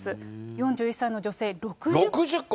４１歳の女性、６０個。